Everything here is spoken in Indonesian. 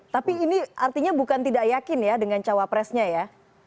tapi ini artinya bukan tidak yakin ya dengan cawapresnya ya